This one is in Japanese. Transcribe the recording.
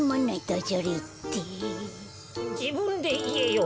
じぶんでいえよ。